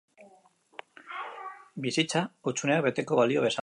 Bizitza, hutsuneak beteko balio bezala.